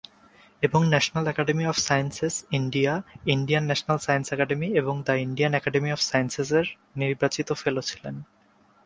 এবং National Academy of Sciences, India, Indian National Science Academy এবং the Indian Academy of Sciences এর নির্বাচিত fellow ছিলেন।